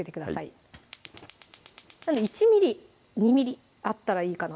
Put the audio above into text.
はい１ｍｍ・２ｍｍあったらいいかな？